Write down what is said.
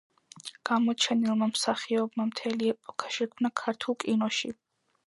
გამოჩენილმა მსახიობმა მთელი ეპოქა შექმნა ქართულ კინოში.